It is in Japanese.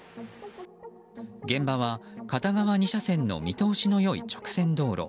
現場は片側２車線の見通しの良い直線道路。